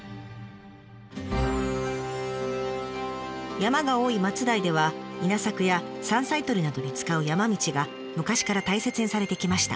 山が多い松代では稲作や山菜採りなどに使う山道が昔から大切にされてきました。